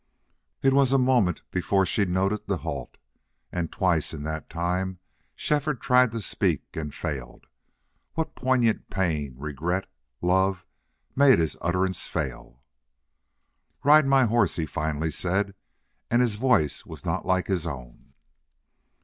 It was a moment before she noted the halt, and twice in that time Shefford tried to speak and failed. What poignant pain, regret, love made his utterance fail! "Ride my horse," he finally said, and his voice was not like his own.